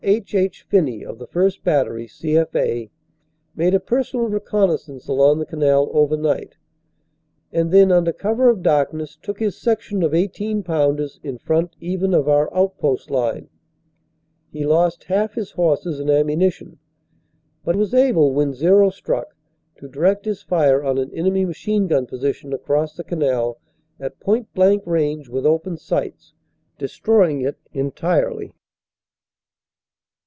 H. H. Phinney of the 1st. Battery, C.F. A., made a personal reconnaissance along the canal over night, and then under cover of darkness took his section of 18 pound ers in front even of our outpost line. He lost half his horses and ammunition, but was able when "zero" struck to direct his fire on an enemy machine gun position across the canal at point blank range with open sights, destroying it entirely.